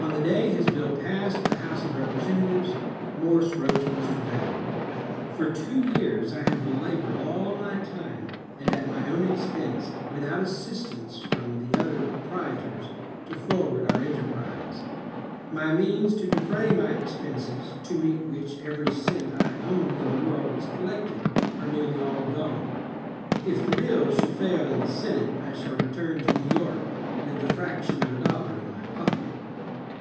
On the day his bill passed the House of Representatives, Morse wrote to Mr. Vail: ''For two years I have labored all my time, and at my own expense, without assistance from the other proprietors, to forward our enterprise. My means to defray my expenses, to meet which every cent I owned in the world was collected, are nearly all gone. If the bill should fail in the Senate, I shall return to New York with the fraction of a dollar in my pocket."